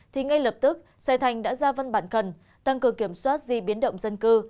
thì ngay lập tức xây thành đã ra văn bản cần tăng cường kiểm soát di biến động dân cư